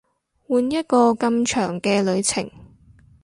換一個咁長嘅旅程